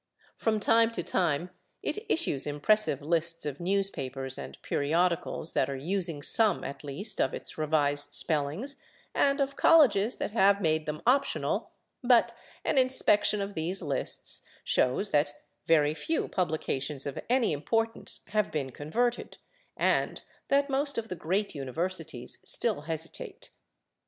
From time to time it issues impressive lists of newspapers and periodicals that are using some, at least, of its revised spellings and of colleges that have made them optional, but an inspection of these lists shows that very few [Pg263] publications of any importance have been converted and that most of the great universities still hesitate.